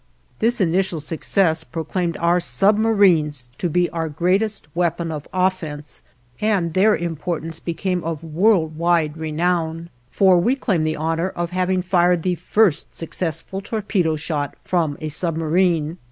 This initial success proclaimed our submarines to be our greatest weapon of offense and their importance became of world wide renown, for we claim the honor of having fired the first successful torpedo shot from a submarine.